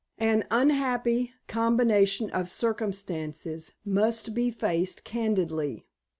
An unhappy combination of circumstances must be faced candidly.